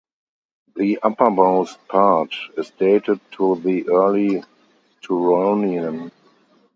The uppermost part is dated to the early Turonian.